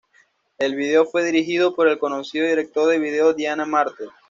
El video fue dirigido por el conocido director de video Diane Martel.